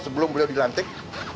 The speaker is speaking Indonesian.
sebelum beliau dilantik